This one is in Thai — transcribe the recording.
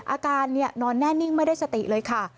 อาการนอนแน่นิ่งไม่ได้สติเลยค่ะ